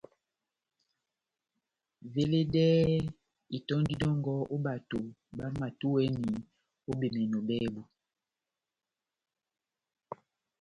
Veledɛhɛ itɔ́ndi dɔ́ngɔ ó bato bámatúwɛni ó bemɛnɔ bábu.